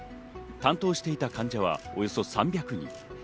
担当していた患者はおよそ３００人。